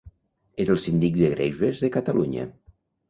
És el síndic de Greuges de Catalunya.